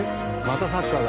「またサッカーだ」